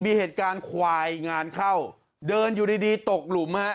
มีเหตุการณ์ควายงานเข้าเดินอยู่ดีดีตกหลุมฮะ